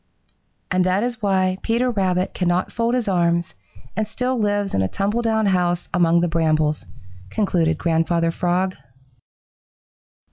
"And that is why Peter Rabbit cannot fold his arms and still lives in a tumble down house among the brambles," concluded Grandfather Frog.